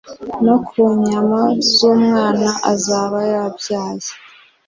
no ku nyama z’umwana azaba yabyaye,